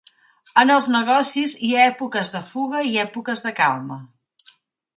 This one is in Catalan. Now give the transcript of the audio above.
En els negocis hi ha èpoques de fuga i èpoques de calma.